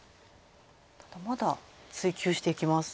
ただまだ追及していきます。